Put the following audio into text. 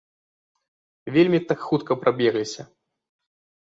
Вельмі так хутка прабегліся.